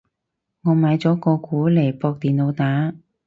我買咗個鼓嚟駁電腦打